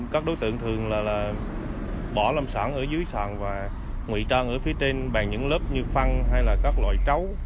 các đối tượng thường bỏ lâm sản ở dưới sàn và nguy trang ở phía trên bàn những lớp như phăng hay các loại trấu